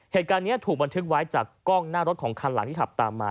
เหตุการณ์นี้ถูกบันทึกไว้จากกล้องหน้ารถของคันหลังที่ขับตามมา